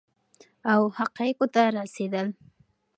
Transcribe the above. او حقایقو ته رسیدل